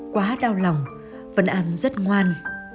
quá đau lòng vân anh rất ngoan